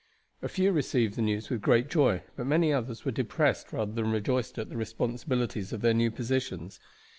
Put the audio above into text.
A few received the news with great joy, but many others were depressed rather than rejoiced at the responsibilities of their new positions.